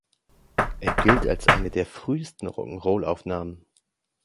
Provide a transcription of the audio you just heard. Er gilt als eine der frühesten Rock’n’Roll-Aufnahmen.